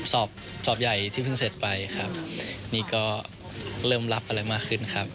สอบสอบใหญ่ที่เพิ่งเสร็จไปครับนี่ก็เริ่มรับอะไรมากขึ้นครับ